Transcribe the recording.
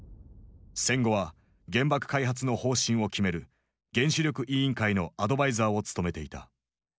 戦後は原爆開発の方針を決める原子力委員会のアドバイザーを務めていた。